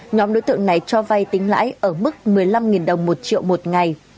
nhóm đối tượng này cho vay tính lãi ở mức một mươi năm đồng một triệu một ngày